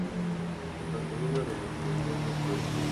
El contenido del entrenamiento incluido.